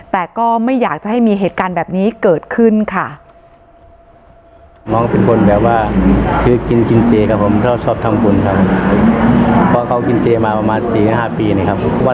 แต่ก็ไม่อยากจะให้มีเหตุการณ์แบบนี้เกิดขึ้นค่ะ